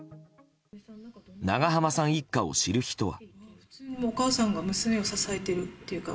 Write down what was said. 長濱さん一家を知る人は。